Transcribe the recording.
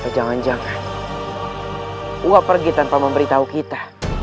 jangan jangan wah pergi tanpa memberitahu kita